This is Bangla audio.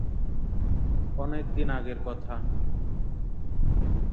অনেক দিন আগের কথা।